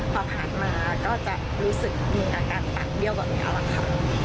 พอผ่านมาก็จะรู้สึกมีอาการปากเบี้ยวแบบนี้เอาล่ะค่ะ